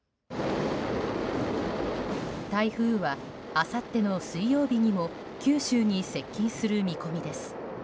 台風はあさっての水曜日にも九州に接近する見込みです。